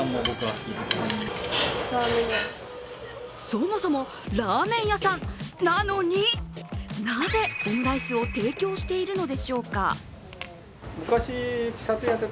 そもそもラーメン屋さんな・の・に、なぜオムライスを提供しているのでしょうか？